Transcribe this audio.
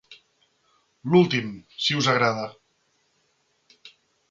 L'últim, si us agrada?